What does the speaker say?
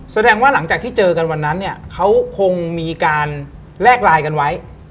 แสดงว่าหลังจากที่เจอกันวันนั้นเนี่ยเขาคงมีการแลกไลน์กันไว้